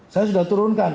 saya sudah turunkan